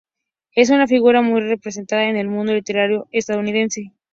Es una figura muy respetada en el mundo literario estadounidense.